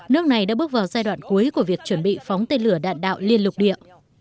nước này đã bước vào giai đoạn cuối của việc chuẩn bị phóng tên lửa đạn đạo liên lục địa